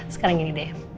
sekarang gini deh